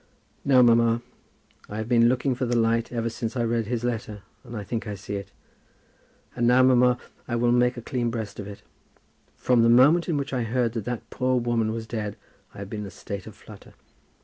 "No, mamma, no. I have been looking for the light ever since I read his letter, and I think I see it. And now, mamma, I will make a clean breast of it. From the moment in which I heard that that poor woman was dead, I have been in a state of flutter.